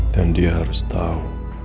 dan dia harus tau